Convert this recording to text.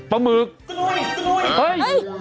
ป้าหมือกกานุ่ย